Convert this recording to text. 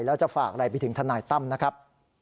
แล้วจะฝากอะไรไปถึงทนายตั้มนะครับ